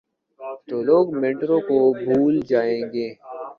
تو لوگ میٹرو کو بھول جائیں گے۔